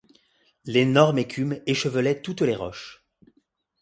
L’énorme écume échevelait toutes les roches.